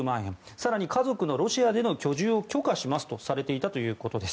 更に家族のロシアでの居住を許可するとされていたということです。